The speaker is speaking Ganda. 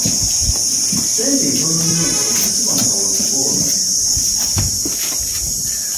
Ssente ntono nnyo ezissibwa mu kaweefube ono